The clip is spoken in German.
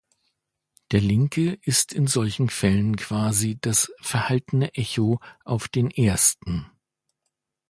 Der linke ist in solchen Fällen quasi das verhaltene Echo auf den ersten.